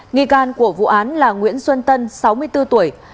nghi can của vụ án là nguyễn xuân tân sáu mươi bốn tuổi